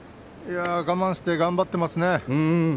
我慢して頑張っていますね。